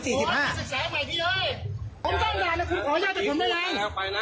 ผมต้องด่าแล้วคุณขออนุญาตจากผมแล้วยัง